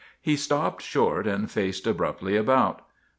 He stopped short and faced abruptly about.